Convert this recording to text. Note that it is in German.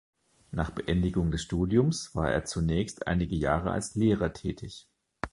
Nach Beendigung des Studiums war er zunächst einige Jahre als Lehrer tätig.